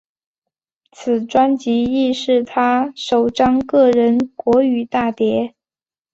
此专辑亦是他首张个人国语大碟。